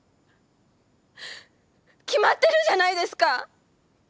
決まってるじゃないですか！